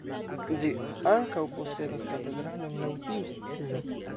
Ĝi ankaŭ posedas katedralon laŭ tiu stilo.